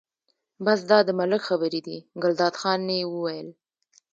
بس دا د ملک خبرې دي، ګلداد خان یې وویل.